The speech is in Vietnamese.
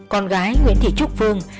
con gái nguyễn thị trúc phương